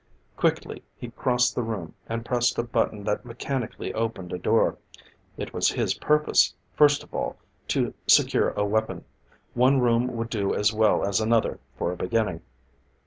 Quickly he crossed the room, and pressed a button that mechanically opened a door. It was his purpose, first of all, to secure a weapon; one room would do as well as another for a beginning.